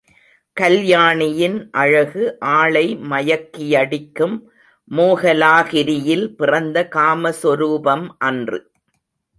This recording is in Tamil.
கல்யாணியின் அழகு, ஆளை மயக்கியடிக்கும் மோகலாகிரியில் பிறந்த காம சொரூபம் அன்று.